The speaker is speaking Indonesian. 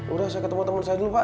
udah saya ketemu teman saya dulu pak